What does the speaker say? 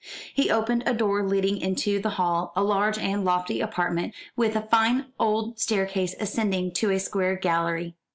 He opened a door leading into the hall, a large and lofty apartment, with a fine old staircase ascending to a square gallery.